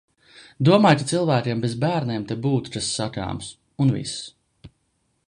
Domāju, ka cilvēkiem bez bērniem te būtu kas sakāms. Un viss.